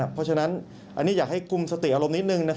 เพราะฉะนั้นอันนี้อยากให้กลุ่มสติอารมณ์นิดนึง